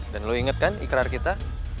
dan lu inget kan ikrar kita